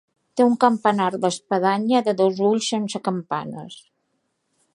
Té un campanar d'espadanya de dos ulls, sense campanes.